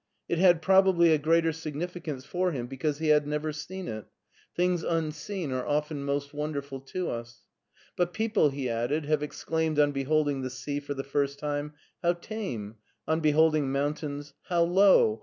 It had probably a greater significance for him because he had never seen it ; things unseen are often most wonderful to us. " But people," he added, "have exclaimed on beholding the sea for the first time, ^ How tame I ' on beholding mountains, ' How low